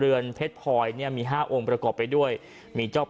อืมที่นี่ดีไหมที่นี่ดีไหม